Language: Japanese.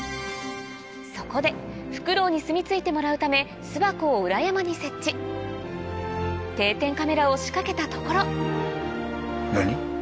そこでフクロウにすみ着いてもらうため定点カメラを仕掛けたところ何？